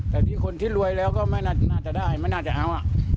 แต่นี่คนที่รวยแล้วก็ไม่น่าจะได้ไม่น่าจะเอา